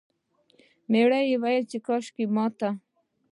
میړه وویل چې کاشکې مات...